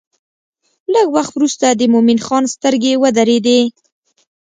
لږ وخت وروسته د مومن خان سترګې ودرېدې.